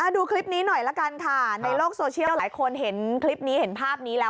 ดูคลิปนี้หน่อยละกันค่ะในโลกโซเชียลหลายคนเห็นคลิปนี้เห็นภาพนี้แล้ว